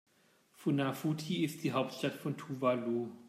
Funafuti ist die Hauptstadt von Tuvalu.